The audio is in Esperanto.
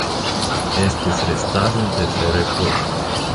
Estis restaĵoj de Ferepoko.